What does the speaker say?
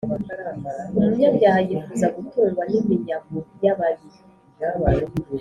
umunyabyaha yifuza gutungwa n’iminyago y’ababi,